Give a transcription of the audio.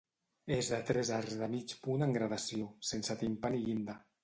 És de tres arcs de mig punt en gradació, sense timpà ni llinda.